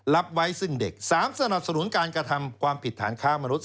รับไว้ซึ่งเด็ก๓สนับสนุนการกระทำความผิดฐานค้ามนุษย